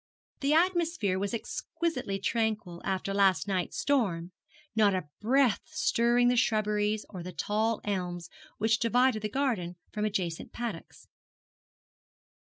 The atmosphere was exquisitely tranquil after last night's storm, not a breath stirring the shrubberies or the tall elms which divided the garden from adjacent paddocks.